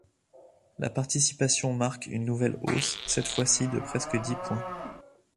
La participation marque une nouvelle hausse, cette fois-ci de presque dix points.